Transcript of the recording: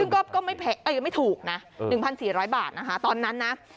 ก็ก็ไม่ถูกนะตอนนั้นนะ